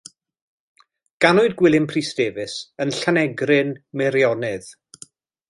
Ganwyd Gwilym Prys Davies yn Llanegryn, Meirionnydd.